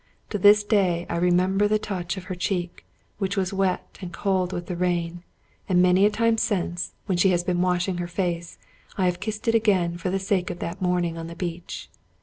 To this day I remember the touch of her cheek, which was wet and cold with the rain; and many a time since, when she has been washing her face, I have kissed it again for the sake of that morning on the beach.